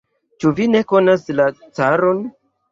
Ĉu vi ne konas la caron?